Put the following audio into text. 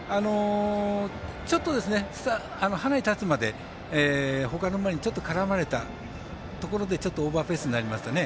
ちょっとハナに立つまでほかの馬に絡まれたところでちょっとオーバーペースになりましたね。